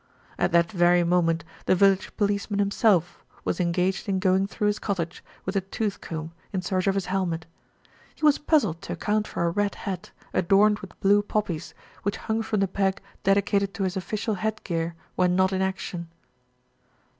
At that very moment, the village policeman himself was engaged in going through his cottage with a tooth comb in search of his helmet. He was puzzled to ac A VILLAGE DIVIDED AGAINST ITSELF 229 count for a red hat, adorned with blue poppies, which hung from the peg dedicated to his official headgear when not in action.